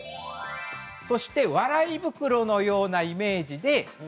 そして笑い袋のようなイメージで。